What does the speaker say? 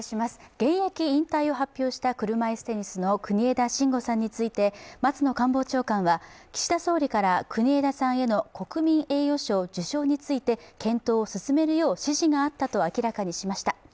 現役引退を発表した車いすテニスの国枝慎吾さんについて松野官房長官は、岸田総理から国枝さんへの国民栄誉賞受賞について検討を進めるよう指示があったと明らかにしました。